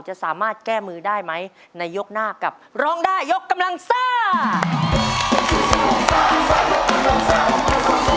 จะสามารถแก้มือได้ไหมในยกหน้ากับร้องได้ยกกำลังซ่า